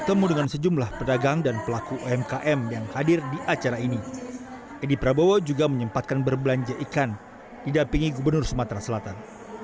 edi prabowo juga menyempatkan berbelanja ikan didampingi gubernur sumatera selatan